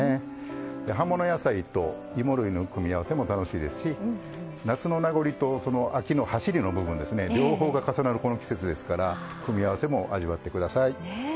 葉物野菜と芋類の組み合わせも楽しいですし夏の名残と秋のはしりの部分両方が重なるこの季節ですから組み合わせも味わって下さい。